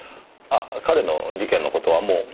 彼の事件の事はもう？